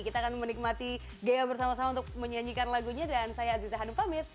kita akan menikmati ghea bersama sama untuk menyanyikan lagunya dan saya azita hadumpamit